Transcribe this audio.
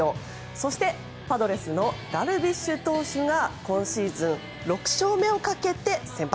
そしてパドレスのダルビッシュ投手が今シーズン６勝目をかけて先発。